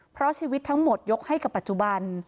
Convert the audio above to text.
เพราะชีวิตทั้งหมดยกให้กับปัจจุบัน